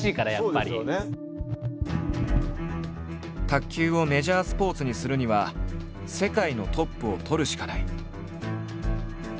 「卓球をメジャースポーツにするには世界のトップをとるしかない」。